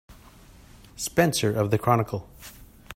Spencer of the Chronicle.